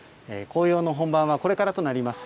紅葉の本番はこれからとなります。